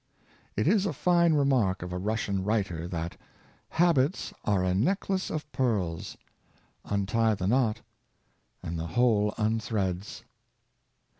It is a fine remark of a Russian writer, that ''Habits are a necklace of pearls; untie the knot, and the whole unthreads.''